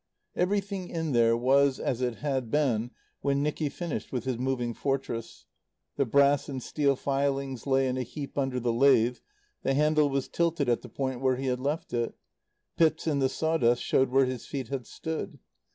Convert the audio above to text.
Everything in there was as it had been when Nicky finished with his Moving Fortress. The brass and steel filings lay in a heap under the lathe, the handle was tilted at the point where he had left it; pits in the saw dust showed where his feet had stood.